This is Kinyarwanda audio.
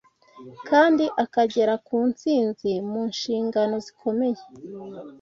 kandi akagera ku ntsinzi mu nshingano zikomeye